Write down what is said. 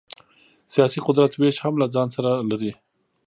سیاسي قدرت وېش هم له ځان سره لري.